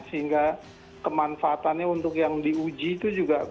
sehingga kemanfaatannya untuk yang diuji itu juga